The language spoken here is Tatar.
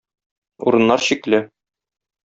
Урыннар чикле.